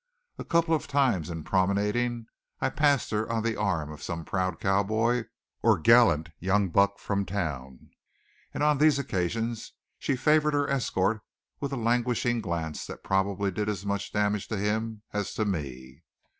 A couple of times in promenading I passed her on the arm of some proud cowboy or gallant young buck from town, and on these occasions she favored her escort with a languishing glance that probably did as much damage to him as to me.